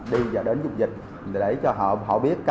đi và đến dục dịch để cho họ biết